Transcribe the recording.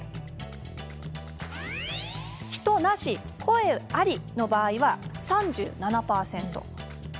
人なし、声ありの場合は３７％。